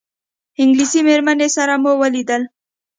انګلیسي مېرمنې سره مو ولیدل.